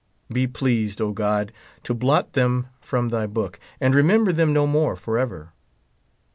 Be pleased, O God, to blot them from thy book, and remember them no more forever.